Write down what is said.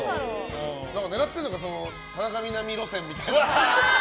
何か狙ってるのかな田中みな実路線みたいな。